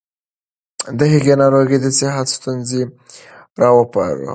د هغې ناروغي د صحت ستونزې راوپارولې.